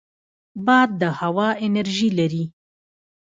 باد د هوا انرژي لري